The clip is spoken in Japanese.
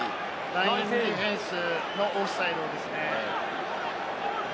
ラインディフェンスのオフサイドですね。